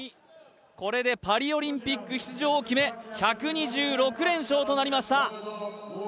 これでパリオリンピック出場を決め１２６連勝となりました